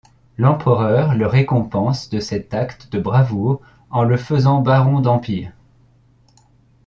L'Empereur le récompense de cet acte de bravoure en le faisant baron d'Empire.